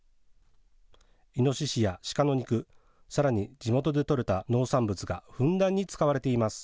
イノシシや鹿の肉、さらに地元で取れた農産物がふんだんに使われています。